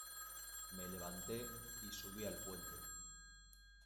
me levanté y subí al puente.